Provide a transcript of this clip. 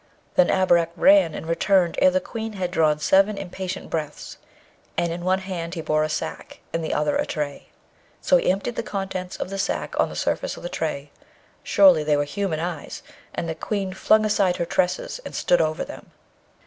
Then Abarak ran, and returned ere the Queen had drawn seven impatient breaths, and in one hand he bore a sack, in the other a tray: so he emptied the contents of the sack on the surface of the tray; surely they were human eyes! and the Queen flung aside her tresses, and stood over them.